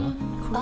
あ！